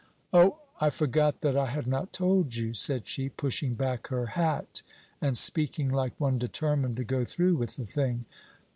"O, I forgot that I had not told you," said she, pushing back her hat, and speaking like one determined to go through with the thing.